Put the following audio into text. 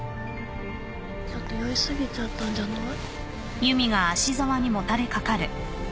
ちょっと酔い過ぎちゃったんじゃない？